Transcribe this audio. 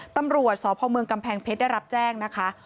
ตำรวจสพเมืองกำแพงเพชรได้รับแจ้งนะคะ